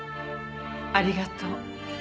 ありがとう。